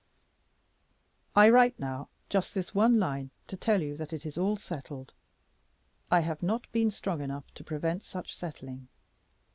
"I write now just this one line to tell you that it is all settled. I have not been strong enough to prevent such settling.